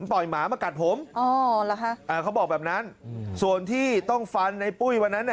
มันปล่อยหมามากัดผมเขาบอกแบบนั้นส่วนที่ต้องฟันไอ้ปุ้ยวันนั้น